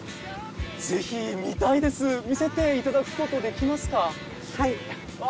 ぜひ見たいです見せていただくことできますか？